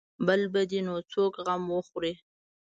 بل به دې نو څوک غم وخوري.